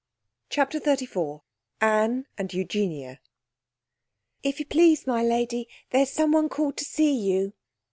CHAPTER XXXIV Anne and Eugenia 'If you please, my lady, there's someone called to see you.'